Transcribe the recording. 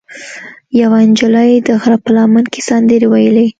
یوه نجلۍ د غره په لمن کې سندرې ویلې.